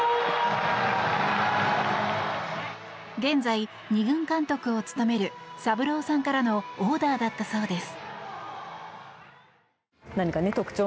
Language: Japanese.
現在、２軍監督を務めるサブローさんからのオーダーだったそうです。